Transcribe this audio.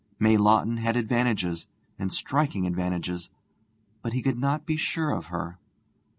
May Lawton had advantages, and striking advantages, but he could not be sure of her.